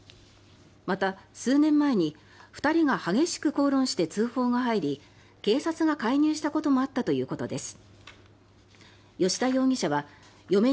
また、数年前に２人が激しく口論して通報が入り警察が介入したこともあったということです。